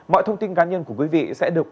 mọi thông tin cá nhân của quý vị sẽ được